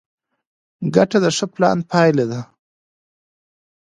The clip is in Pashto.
ګټه د ښه پلان پایله ده.